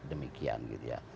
demikian gitu ya